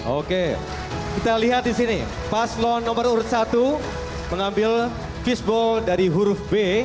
oke kita lihat di sini paslon nomor urut satu mengambil fishbowl dari huruf b